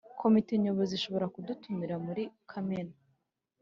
Komite Nyobozi ishobora kudutumira muri kamena